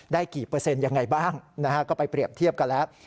ได้กี่เปอร์เซ็นต์ยังไงบ้างนะฮะก็ไปเปรียบเทียบกันแล้ว